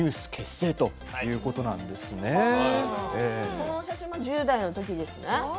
この写真は１０代のときですね。